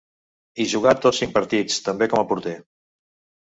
Hi jugà tots cinc partits, també com a porter.